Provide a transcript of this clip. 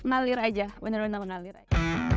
nalir aja bener bener nalir aja